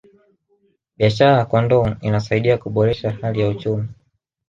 biashara ya kondoo inasaidia kuboresha hali ya uchumi